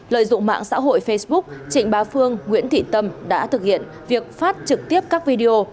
lợi dụng mạng xã hội facebook trịnh bá phương nguyễn thị tâm đã thực hiện việc phát trực tiếp các video